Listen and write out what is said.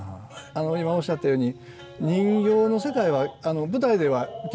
今おっしゃったように人形の世界は舞台では現実のまあ